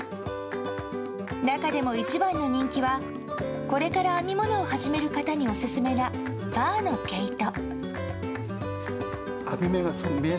中でも一番の人気はこれから編み物を始める方にオススメなファーの毛糸。